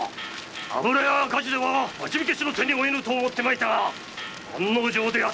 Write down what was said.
油屋が火事では町火消しの手に負えぬと思って参ったが案の定だ。